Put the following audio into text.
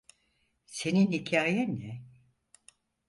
Senin hikayen ne?